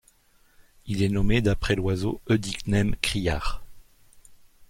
Il est nommé d'après l'oiseau Œdicnème criard.